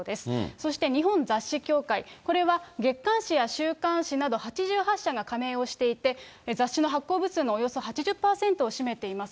そして、日本雑誌協会、これは月刊誌や週刊誌など８８社が加盟をしていて、雑誌の発行部数のおよそ８０％を占めています。